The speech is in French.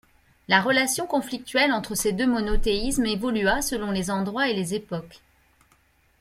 La relation conflictuelle entre ces deux monothéismes évolua selon les endroits et les époques.